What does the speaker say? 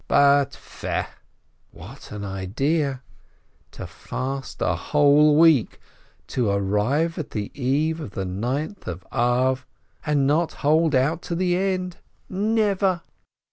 But fie, what an idea ! To fast a whole week, to arrive at the eve of the Ninth of Ab, and not hold out to the end ! Never